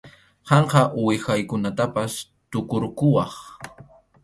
Qamqa uwihaykunatapas tukurquwaq.